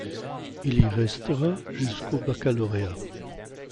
Il y restera jusqu'au baccalauréat.